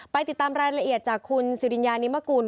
ติดตามรายละเอียดจากคุณสิริญญานิมกุล